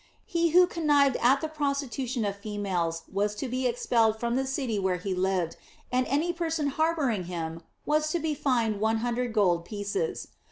He who connived at the prostitution of females was to be expelled from the city where he lived, and any person harboring him was to be fined one hundred gold pieces.